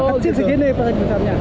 kecil segini pasang besarnya